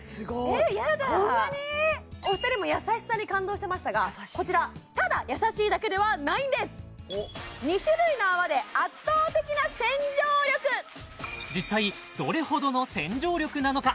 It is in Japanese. えヤダお二人も優しさに感動してましたがこちらただ優しいだけではないんです実際どれほどの洗浄力なのか？